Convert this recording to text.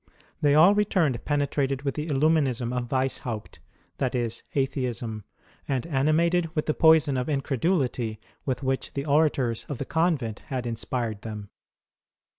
. They all returned penetrated with the Illimiinism of Weishaupt, that is Atheism, and animated with the poison of incredulity with which the orators of the Convent had inspired them.